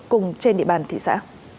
cùng trên địa bàn thị xã